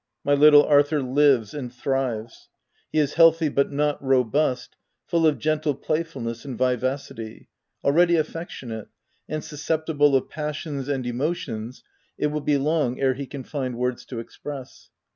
My little Arthur live and thrives. He is healthy but not robust, full of gentle playfulness and vivacity, already affectionate, and susceptible of passions and emotions it will be long ere he can find words to express.